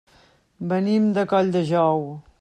Venim de Colldejou.